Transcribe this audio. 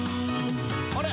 あれ？